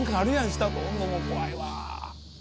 下通んのも怖いわ。